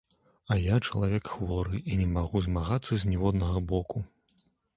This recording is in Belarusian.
А я чалавек хворы і не магу змагацца з ніводнага боку.